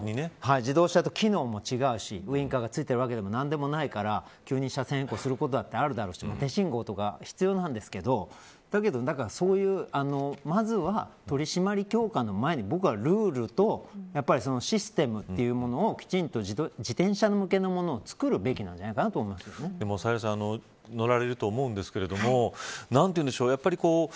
自動車と機能も違うしウインカーがついているわけでもないから急に車線変更することだってあるだろうし手信号とか必要なんですけどだけど、そういうまずは取り締まり強化の前に僕は、ルールとシステムというものをきちんと自転車向けのものを作るべきなんじゃないかなサヘルさん乗られると思うんですけど